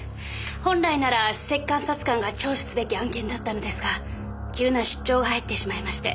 本来なら首席監察官が聴取すべき案件だったのですが急な出張が入ってしまいまして。